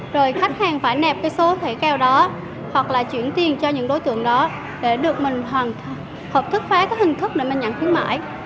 rồi khách hàng phải nẹp cái số thề kèo đó hoặc là chuyển tiền cho những đối tượng đó để được mình hoàn thật hợp thức phá cái hình thức để mình nhận khuyến mại